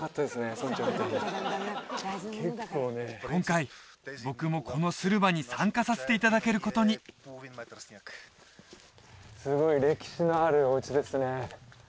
村長みたいに今回僕もこのスルヴァに参加させていただけることにすごい歴史のあるお家ですね